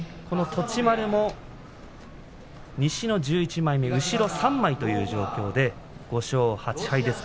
栃丸も西の１１枚目後ろ３枚という状況です。